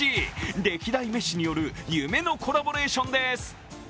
歴代メッシによる夢のコラボレーションです。